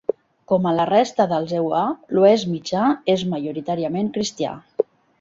Com a la resta dels EUA, l'Oest Mitjà és majoritàriament cristià.